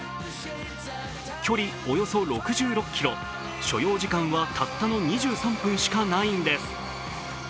距離およそ６６ｋｍ、所要時間はたったの２３分しかないんです。